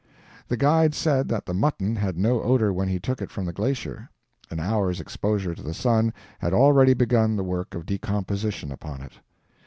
The guide said that the mutton had no odor when he took it from the glacier; an hour's exposure to the sun had already begun the work of decomposition upon it.